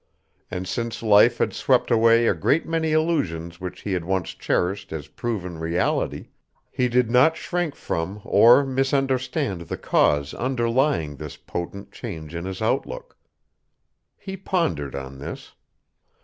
And since life had swept away a great many illusions which he had once cherished as proven reality, he did not shrink from or misunderstand the cause underlying this potent change in his outlook. He pondered on this.